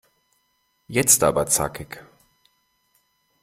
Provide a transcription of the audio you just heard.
Jetzt aber zackig!